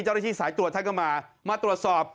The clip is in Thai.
เจ้าหน้าที่สายตรวจท่านก็มามาตรวจสอบ